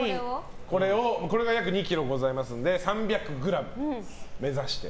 これが約２ｋｇございますので３００ｇ目指して。